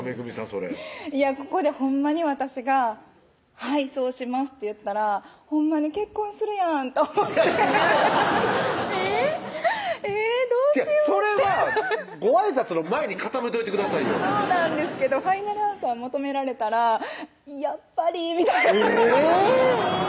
それここでほんまに私が「はいそうします」って言ったらほんまに結婚するやんと思ってえぇっえぇどうしようってそれはご挨拶の前に固めといてくださいよそうなんですけどファイナルアンサー求められたら「やっぱり」みたいなえぇっ！